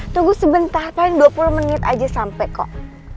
tunggu sebentar paling dua puluh menit aja sampai kok